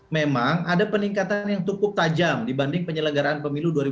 memang ada peningkatan yang cukup tajam dibanding penyelenggaraan pemilu dua ribu sembilan belas